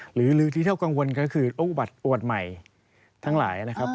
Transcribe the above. หรือที่เท่ากังวลก็คือโรคอุบัติอวดใหม่ทั้งหลายนะครับ